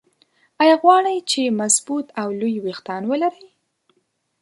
ايا غواړئ چې مضبوط او لوى ويښتان ولرى؟